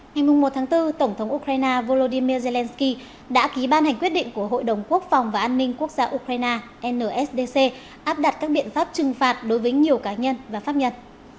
ngày một tháng bốn tổng thống ukraine volodymyr zelensky đã ký ban hành quyết định của hội đồng quốc phòng và an ninh quốc gia ukraine nsdc áp đặt các biện pháp trừng phạt đối với nhiều cá nhân và pháp nhật